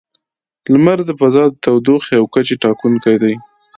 • لمر د فضا د تودوخې او کچې ټاکونکی دی.